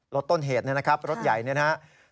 รถต้นเหตุนะครับรถใหญ่นะครับ